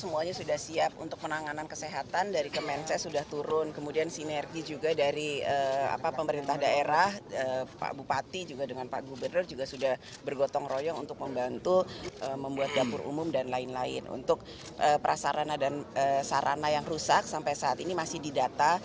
untuk prasarana dan sarana yang rusak sampai saat ini masih didata